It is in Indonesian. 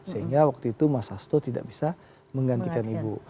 sehingga waktu itu mas hasto tidak bisa menggantikan ibu